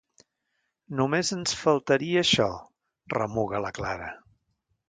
Només ens faltaria això! —remuga la Clara.